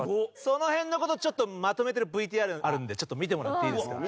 その辺のことをちょっとまとめてるＶＴＲがあるので見てもらっていいですか。